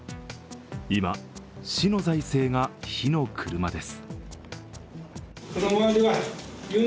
今、市の財政が火の車です。